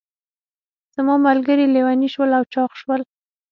زما ملګري لیوني شول او چاغ شول.